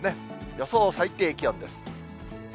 予想最低気温です。